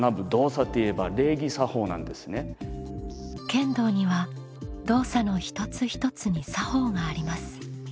剣道には動作の一つ一つに作法があります。